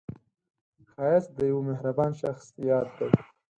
ښایست د یوه مهربان شخص یاد دی